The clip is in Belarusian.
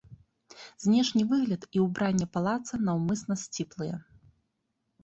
Знешні выгляд і ўбранне палаца наўмысна сціплыя.